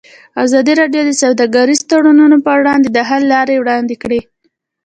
ازادي راډیو د سوداګریز تړونونه پر وړاندې د حل لارې وړاندې کړي.